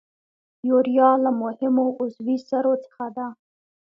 یوریا له مهمو عضوي سرو څخه ده.